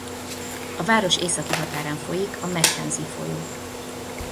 A város északi határán folyik a McKenzie-folyó.